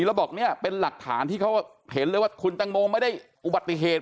แล้วบอกเนี่ยเป็นหลักฐานที่เขาเห็นเลยว่าคุณตังโมไม่ได้อุบัติเหตุ